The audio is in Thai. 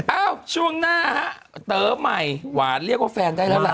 เอ้าช่วงหน้าฮะเต๋อใหม่หวานเรียกว่าแฟนได้แล้วล่ะ